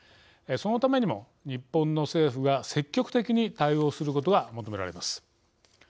そのためにも日本の政府が積極的に対応することが求められます。